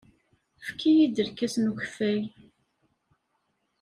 Efk-iyi-d lkas n ukeffay.